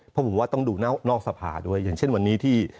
เพราะผมว่าต้องดูนอกสภาด้วยอย่างเช่นวันนี้ที่